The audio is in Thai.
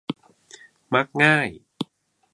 มักง่าย